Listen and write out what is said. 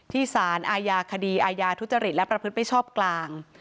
ที่สารอคดีอทุจริตประพฤติพิชชอบกลาง